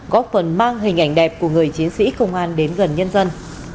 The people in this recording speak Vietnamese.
góp phần mang hình ảnh đẹp của người chiến sĩ công an đến gần nhân dân